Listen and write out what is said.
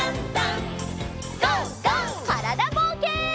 からだぼうけん。